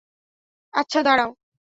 আচ্ছা, দাঁড়াও।